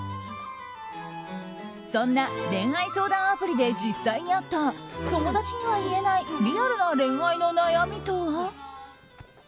そんな恋愛相談アプリで実際にあった友達には言えないリアルな恋愛の悩みとは？